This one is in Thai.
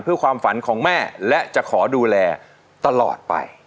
เพื่อความฝันของแม่และจะขอดูแลตลอดไป